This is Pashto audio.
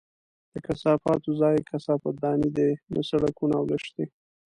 د کثافاتو ځای کثافت دانۍ دي، نه سړکونه او لښتي!